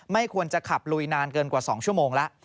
ไม่ควรจะขับลุยนานเกินกว่า๒ชั่วโมงแล้ว